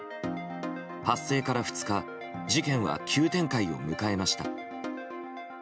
発生から２日事件は急展開を迎えました。